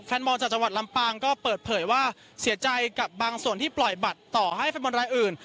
มองจากจังหวัดลำปางก็เปิดเผยว่าเสียใจกับบางส่วนที่ปล่อยบัตรต่อให้แฟนบอลรายอื่น